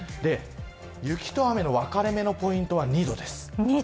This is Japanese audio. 雪と雨の分かれ目のポイントは２度です。